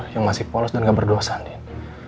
yang masih polos dan gak berdosa nih